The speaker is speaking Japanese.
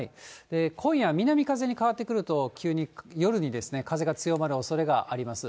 今夜、南風に変わってくると急に、夜に風が強まるおそれがあります。